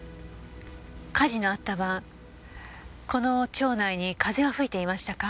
火事のあった晩この町内に風は吹いていましたか？